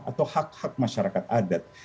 atau hak hak masyarakat adat